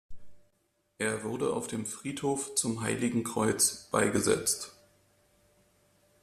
Er wurde auf dem Friedhof Zum Heiligen Kreuz beigesetzt.